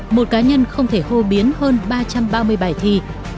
một cá nhân không thể hô biến hơn ba trăm ba mươi bài thi